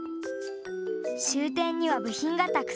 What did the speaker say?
しゅうてんにはぶひんがたくさん。